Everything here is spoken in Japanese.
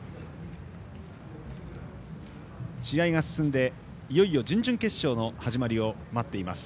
試合が進んでいよいよ準々決勝の始まりを待っています。